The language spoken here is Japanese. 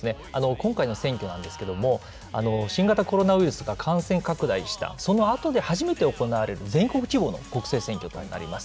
今回の選挙なんですけれども、新型コロナウイルスが感染拡大した、そのあとで初めて行われる、全国規模の国政選挙となります。